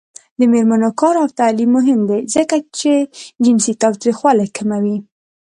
د میرمنو کار او تعلیم مهم دی ځکه چې جنسي تاوتریخوالی کموي.